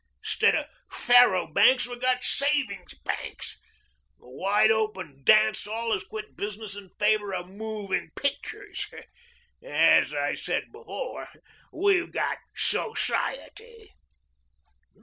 Instead of faro banks we've got savings banks. The wide open dance hall has quit business in favor of moving pictures. And, as I said before, we've got Society."